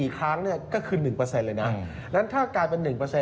๔ครั้งก็ขึ้น๑เลยนะแล้วถ้ากลายเป็น๑